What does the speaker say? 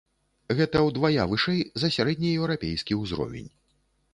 Гэта ўдвая вышэй за сярэднееўрапейскі ўзровень.